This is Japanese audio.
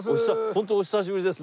ホントお久しぶりです。